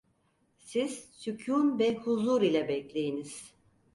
Siz sükun ve huzur ile bekleyiniz…